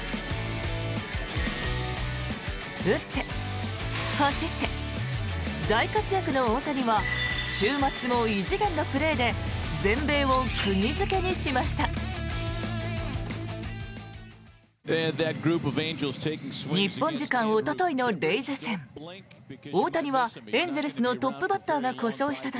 打って走って大活躍の大谷は週末も異次元のプレーで全米を釘付けにしました。